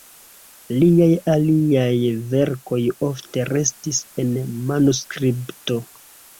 Liaj aliaj verkoj ofte restis en manuskripto.